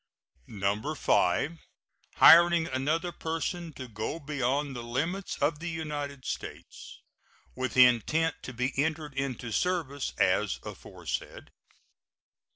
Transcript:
5. Hiring another person to go beyond the limits of the United States with intent to be entered into service as aforesaid.